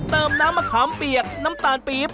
น้ำมะขามเปียกน้ำตาลปี๊บ